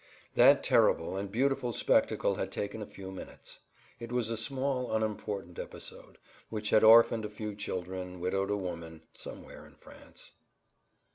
That terrible and beautiful spectacle had taken a few minutes. It was a small, unimportant episode, which had orphaned a few children, widowed a woman—somewhere in France.